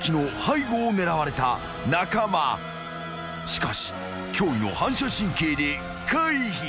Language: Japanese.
［しかし驚異の反射神経で回避］